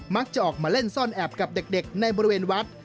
จะออกมาเล่นซ่อนแอบกับเด็กในบริเวณวัด